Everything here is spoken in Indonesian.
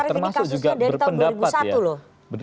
tapi mas arief ini kasusnya dari tahun dua ribu satu loh